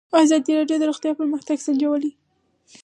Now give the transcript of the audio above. ازادي راډیو د روغتیا پرمختګ سنجولی.